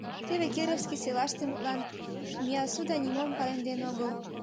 Теве Кировский, селаште, мутлан, Миасуда нимом палемден огыл.